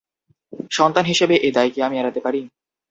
সন্তান হিসেবে এ দায় কি আমি এড়াতে পারি?